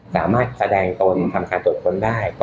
สามารถแสดงตนทำสารจนได้